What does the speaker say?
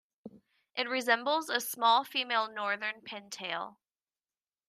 It resembles a small female northern pintail.